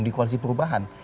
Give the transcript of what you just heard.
di koalisi perubahan